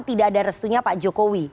tidak ada restunya pak jokowi